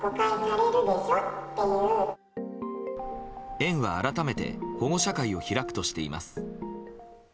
園は改めて保護者会を開くとしています。